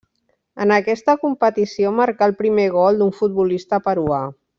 En aquesta competició marcà el primer gol d'un futbolista peruà.